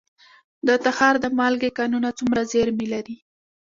د تخار د مالګې کانونه څومره زیرمې لري؟